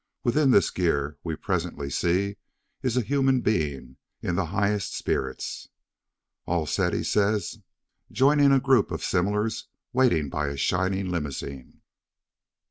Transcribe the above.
Within this gear, we presently see, is a human being, in the highest spirits. "All set!" he says, joining a group of similars waiting by a shining limousine.